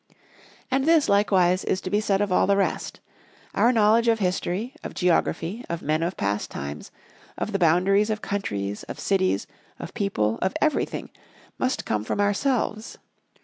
And this, likewise, is to be said of all the rest. Our knowledge of History, of Geography, of men of past times, of the boundaries of countries, of cities, of people, of everything, must come from ourselves.